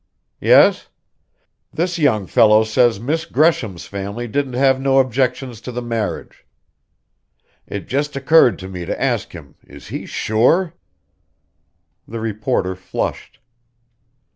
"Yes?" "This young fellow says Miss Gresham's family didn't have no objections to the marriage. It just occurred to me to ask him is he sure?" The reporter flushed.